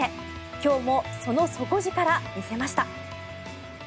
今日もその底力、見せました。